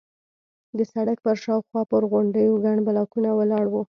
د سړک پر شاوخوا پر غونډیو ګڼ بلاکونه ولاړ وو.